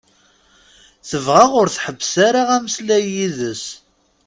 Tebɣa ur tḥebbes ara ameslay yid-s.